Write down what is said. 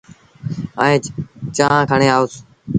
ائيٚݩ چآنه کڻي آيوس